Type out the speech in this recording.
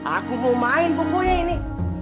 aku mau main bumbunya ini